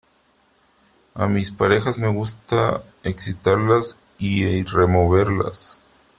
a mis parejas me gusta excitarlas y removerlas